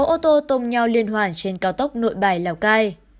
sáu ô tô tôm nhau liên hoàn trên cao tốc nội bài lào cai